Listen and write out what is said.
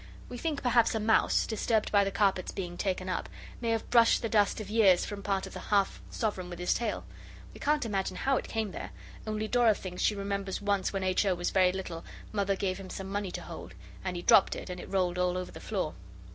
We think perhaps a mouse, disturbed by the carpets being taken up, may have brushed the dust of years from part of the half sovereign with his tail. We can't imagine how it came there, only Dora thinks she remembers once when H. O. was very little Mother gave him some money to hold, and he dropped it, and it rolled all over the floor.